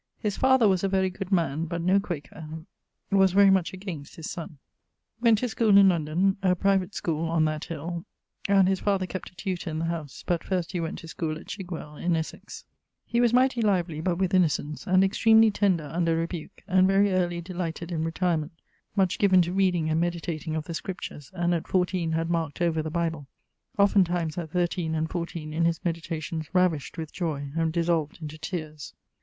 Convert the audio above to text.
(His father was a very good man, but no Quaker; was very much against his sonne.) Went to schoole in London, a private schole on that hill, and his father kept a tutor in the house: but first he went to school at Chigwell in Essex. mighty lively, but with innocence; and extremely tender under rebuke; and very early delighted in retirement; much given to reading and meditating of the scriptures, and at 14 had marked over the Bible. Oftentimes at 13 and 14 in his meditations ravisht with joy, and dissolved into teares.